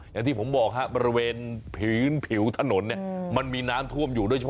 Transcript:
อย่างที่ผมบอกบริเวณผืนผิวถนนมันมีน้ำถวมอยู่